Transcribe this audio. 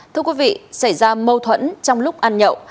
thưa quý vị xảy ra mâu thuẫn trong lúc ăn nhậu